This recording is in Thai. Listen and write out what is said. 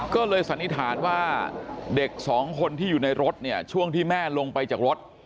ก็เลยสันนิษฐานว่าเด็กสองคนที่อยู่ในรถเนี่ยช่วงที่แม่ลงไปจากรถ